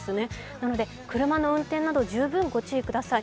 なので、車の運転など十分御注意ください。